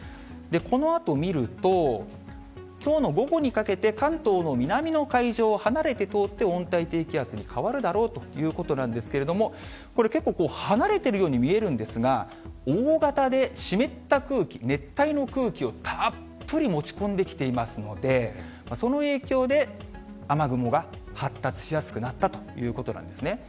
このあと見ると、きょうの午後にかけて、関東の南の海上を離れて通って、温帯低気圧に変わるだろうということなんですけれども、これ、結構、離れているように見えるんですが、大型で湿った空気、熱帯の空気をたっぷり持ち込んできていますので、その影響で雨雲が発達しやすくなったということなんですね。